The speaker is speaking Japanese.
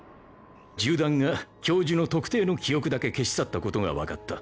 銃弾が教授の特定の記憶だけ消し去ったことが分かった。